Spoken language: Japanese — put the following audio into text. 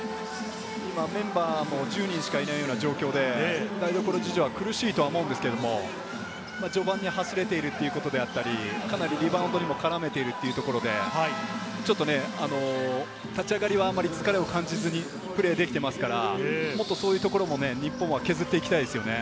メンバーも１０人しかいないような状況で、台所事情は苦しいと思うんですけれど、序盤に走れているということであったり、かなりリバウンドにも絡めているというところで、ちょっと立ち上がりは疲れを感じずにプレーできてますから、もっとそういうところも日本は削っていきたいですよね。